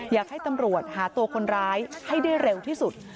อยากให้ตำรวจหาตัวคนร้ายให้ได้เร็วที่สุด